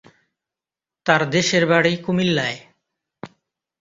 তার দেশের বাড়ি কুমিল্লায়।